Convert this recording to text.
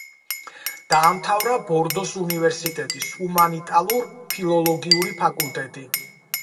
დაამთავრა ბორდოს უნივერსიტეტის ჰუმანიტალურ–ფილოლოგიური ფაკულტეტი.